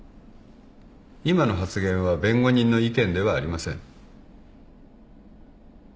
今の発言は弁護人の意見ではありません。